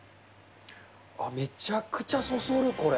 めちゃくちゃそそる、これ。